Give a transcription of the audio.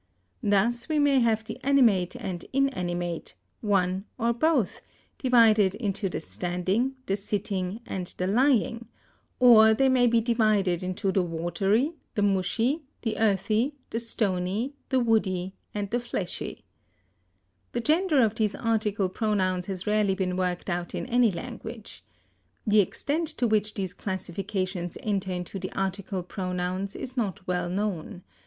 Thus we may have the animate and inanimate, one or both, divided into the standing, the sitting, and the lying; or they may be divided into the watery, the mushy, the earthy, the stony, the woody, and the fleshy. The gender of these article pronouns has rarely been worked out in any language. The extent to which these classifications enter into the article pronouns is not well known.